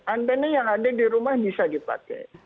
anda yang ada di rumah bisa dipakai